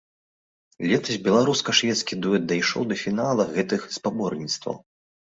Летась беларуска-шведскі дуэт дайшоў да фіналу гэтых спаборніцтваў.